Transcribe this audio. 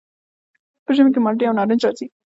په ژمي کې مالټې او نارنج راځي.